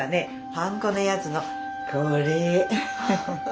ハンコのやつのこれ。